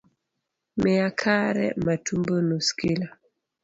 Miya kare matumbo nus kilo